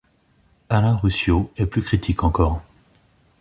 Alain Ruscio est plus critique encore.